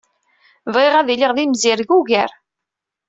Bɣiɣ ad iliɣ d imzireg ugar.